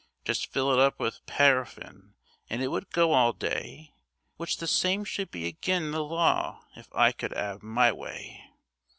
Just fill it up with paraffin an' it would go all day, Which the same should be agin the law if I could 'ave my way.